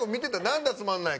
「何だつまんない。